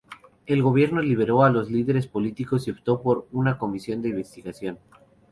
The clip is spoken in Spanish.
El gobierno liberó a los líderes políticos y optó por una comisión de investigación.